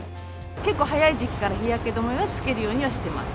結構早い時期から、日焼け止めはつけるようにはしてます。